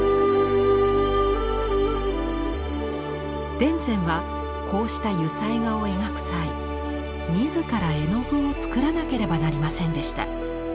田善はこうした油彩画を描く際自ら絵の具を作らなければなりませんでした。